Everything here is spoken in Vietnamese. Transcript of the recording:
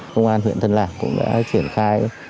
công an huyện thân lạc cũng đã triển khai